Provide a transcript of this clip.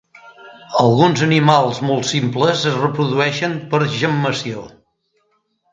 Alguns animals molt simples es reprodueixen per gemmació.